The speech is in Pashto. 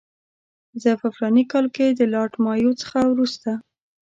زه په فلاني کال کې د لارډ مایو څخه وروسته.